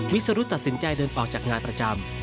สรุธตัดสินใจเดินออกจากงานประจำ